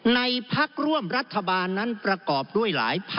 ในพักร่วมรัฐบาลนั้นประกอบด้วยหลายฝ่ายค้าน